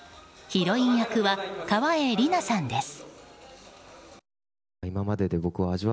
ヒロイン役は、川栄李奈さんです。